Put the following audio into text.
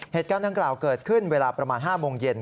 เหตุการณ์ดังกล่าวเกิดขึ้นเวลาประมาณ๕โมงเย็น